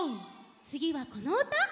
つぎはこのうた。